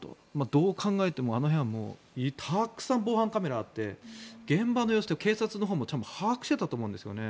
どう考えてもあの辺はたくさん防犯カメラがあって現場の様子って警察のほうも把握していたと思うんですね。